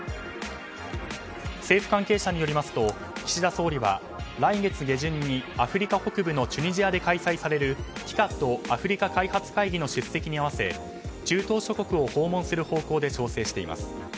政府関係者によりますと岸田総理は、来月下旬にアフリカ北部のチュニジアで開催されるＴＩＣＡＤ・アフリカ開発会議の出席に合わせ中東諸国を訪問する方向で調整しています。